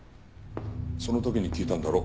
その時に聞いたんだろ？